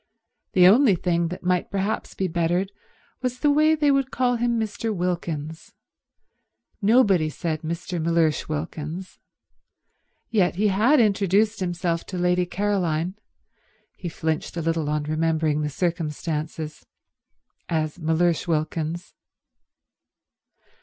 The only thing that might perhaps be bettered was the way they would call him Mr. Wilkins. Nobody said Mr. Mellersh Wilkins. Yet he had introduced himself to Lady Caroline—he flinched a little on remembering the circumstances—as Mellersh Wilkins.